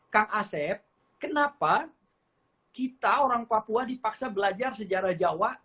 kenapa kita orang papua dipaksa belajar sejarah jawa